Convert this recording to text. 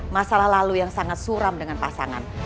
masalah lalu yang sangat suram dengan pasangan